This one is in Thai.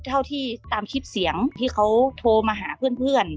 เท่าที่ตามคลิปเสียงที่เขาโทรมาหาเพื่อน